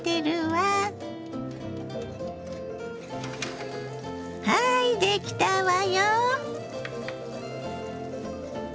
はいできたわよ。